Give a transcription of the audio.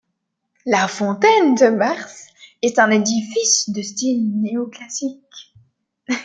La fontaine de Mars est un édifice de style néo-classique.